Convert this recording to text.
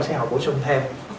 xe hộp bổ sung thêm